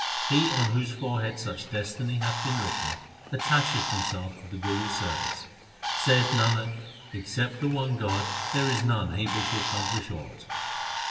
He on whose forehead such destiny hath been written, attacheth himself to the Guru s service. Saith Nanak, except the one God there is none able to accomplish aught.